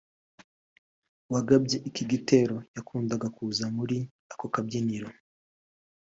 wagabye iki gitero yakundaga kuza muri ako kabyiniro